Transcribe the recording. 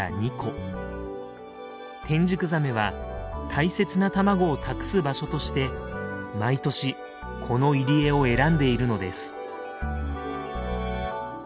テンジクザメは大切な卵を託す場所として毎年この入り江を選んでいるのです。